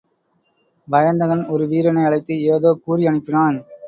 வயந்தகன் ஒரு வீரனை அழைத்து ஏதோ கூறி அனுப்பினான்.